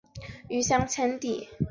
后者保持了四年的纪录。